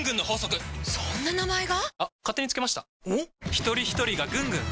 ひとりひとりがぐんぐん！